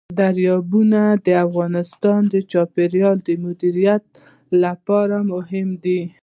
دریابونه د افغانستان د چاپیریال د مدیریت لپاره مهم دي.